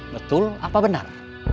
betul apa benar